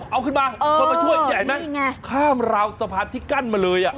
เอาขึ้นมาคนมาช่วยใหญ่ไหมข้ามราวสะพานที่กั้นมาเลยอ่ะ